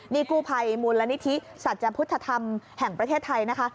นี่กู้ภัยมูลนิธิสัจพุทธธรรมแห่งประเทศไทยนะคะ